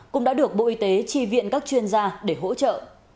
cũng đã được bộ y tế tri viện các chuyên gia để hỗ trợ